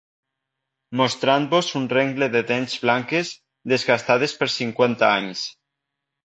mostrant-vos un rengle de dents blanques, desgastades per cinquanta anys